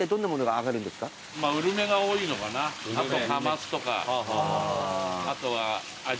あとカマスとかあとはアジ。